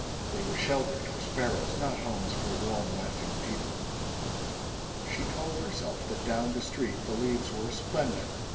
They were shelters for sparrows, not homes for warm laughing people. She told herself that down the street the leaves were a splendor.